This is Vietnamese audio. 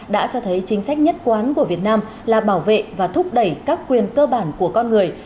đã cho thấy chính sách nhất quán của việt nam là bảo vệ và thúc đẩy các quyền cơ bản của con người